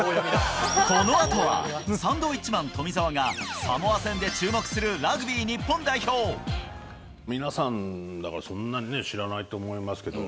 このあとは、サンドウィッチマン・富澤が、サモア戦で注目するラグビー日本皆さん、だから、そんなにね、知らないと思いますけども。